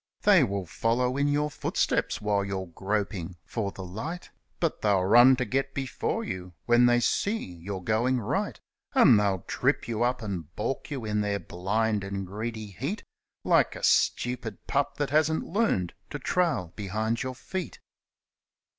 They will follow in your footsteps while you're groping for the light ; But they'll run to get before you when they see you're going right ; And they'll trip you up and baulk you in their blind and greedy heat, Like a stupid pup that hasn't learned to trail behind your feet.